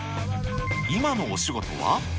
今のお仕事は？